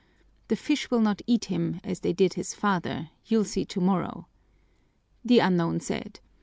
'The fish will not eat him, as they did his father; you'll see tomorrow,' the unknown said.